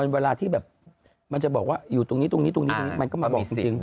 เวลาที่มันจะบอกว่าอยู่ตรงนี้มันก็มีสิ่ง